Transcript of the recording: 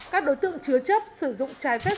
các đối tượng chứa chấp sử dụng chai phép